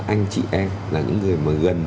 anh chị em là những người mà gần